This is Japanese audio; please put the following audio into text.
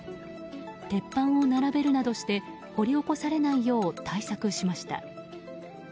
鉄板を並べるなどして掘り起こされないよう対策しました。